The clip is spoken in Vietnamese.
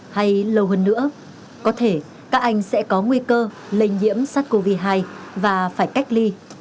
hay lâu hơn nữa có thể các anh sẽ có nguy cơ lệnh nhiễm sát covid hai và phải cách ly